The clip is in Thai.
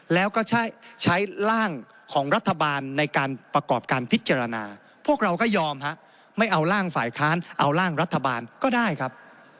แล้วก็ใช้ร่างของรัฐบาลในการประกอบการพิจารณาพวกเราก็ยอมไม่เอาร่างฝ่ายค้านเอาร่างรัฐบาลก็ได้ครับ